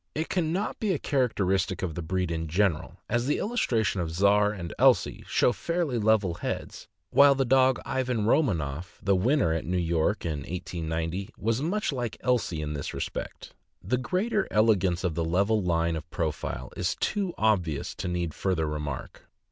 It can not be a characteristic of the breed in general, as the illustrations of Czar and Elsie show fairly level heads, while the dog Ivan Romanoff, the winner at New York in 1890, was much like Elsie in this THE RUSSIAN WOLFHOUND, OR BARZOI. 267 respect. The greater elegance of the level line of profile is too obvious to need further remark.